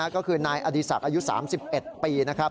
ก็คือนายอดีศักดิ์อายุ๓๑ปี